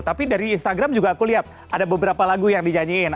tapi dari instagram juga aku lihat ada beberapa lagu yang dinyanyiin